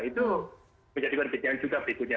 itu menjadi perbedaan juga berikutnya